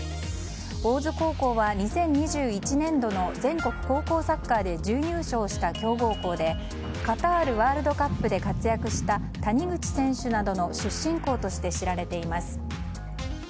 大津高校は２０２１年度の全国高校サッカーで準優勝した強豪校でカタールワールドカップで活躍した谷口選手などの出身校として知られています。